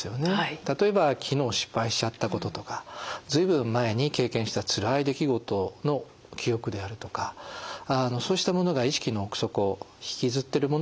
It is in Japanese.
例えば昨日失敗しちゃったこととか随分前に経験したつらい出来事の記憶であるとかそうしたものが意識の奥底引きずってるものはありますよね。